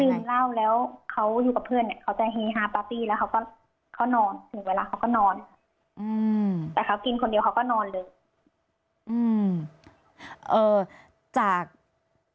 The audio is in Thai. ดื่มเล่าแล้วเขาอยู่กับเพื่อนเนี่ยเขาจะเฮฮาปาร์ตี้แล้วเขานอนถึงเวลาเขาก็นอนแต่เขากินคนเดียวเขาก็นอนเลย